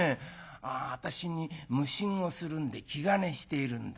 私に無心をするんで気兼ねしているんだねぇ。